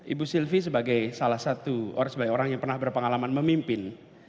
ibu sylvie sebagai salah satu sebagai orang yang pernah berpengalaman memimpin